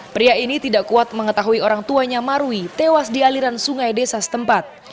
pria ini tidak kuat mengetahui orang tuanya marwi tewas di aliran sungai desa setempat